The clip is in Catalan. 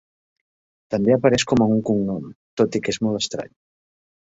També apareix com a un cognom, tot i que és molt estrany.